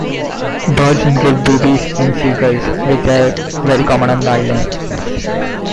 Birds include boobies and seagulls, which are very common on the islands.